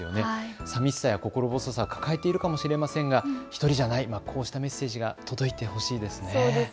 さみしさや心細さ、抱えているかもしれませんが一人じゃない、こうしたメッセージが届いてほしいですね。